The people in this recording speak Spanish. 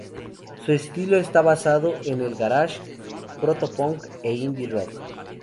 Su estilo esta basado en el garage, proto punk e Indie rock.